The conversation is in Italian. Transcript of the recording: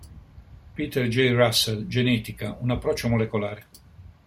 Peter J. Russell: Genetica, un approccio molecolare.